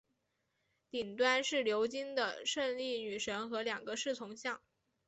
顶端是鎏金的胜利女神和两个侍从像。